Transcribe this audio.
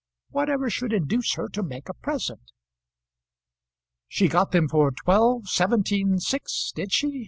Whatever should induce her to make a present!" "She got them for twelve, seventeen, six; did she?"